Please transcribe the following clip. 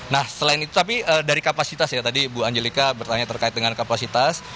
nah selain itu tapi dari kapasitas ya tadi bu angelika bertanya terkait dengan kapasitas